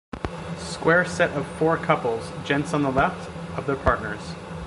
Square Set of four couples, Gents on the left of their partners.